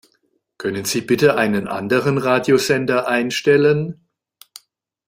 Können Sie bitte einen anderen Radiosender einstellen?